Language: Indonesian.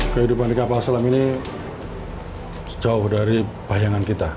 kehidupan di kapal selam ini jauh dari bayangan kita